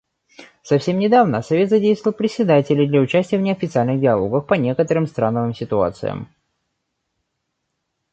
Совсем недавно Совет задействовал председателей для участия в неофициальных диалогах по некоторым страновым ситуациям.